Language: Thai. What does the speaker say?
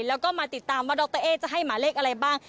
แล้วก็มาติดตามว่าดรเอ๊จะให้หมาเลขอะไรบ้าง